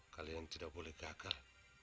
kalian tidak boleh gagal